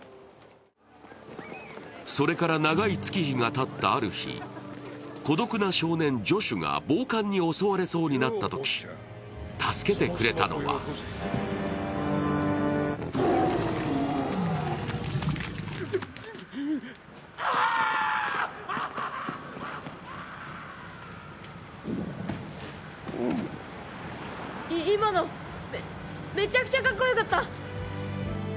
それから長い月日がたったある日、孤独な少年・ジョシュが暴漢に襲われそうになったとき助けてくれたのは今のめちゃくちゃかっこよかった。